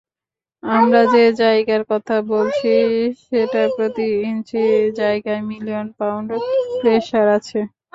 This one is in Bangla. আমরা যে জায়গার কথা বলছি সেটার প্রতি ইঞ্চি জায়গায় মিলিয়ন পাউন্ড প্রেশার আছে!